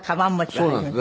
そうなんですね。